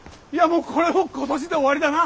もうこれも今年で終わりだな。